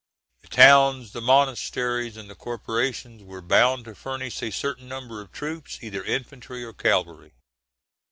The towns, the monasteries, and the corporations, were bound to furnish a certain number of troops, either infantry or cavalry.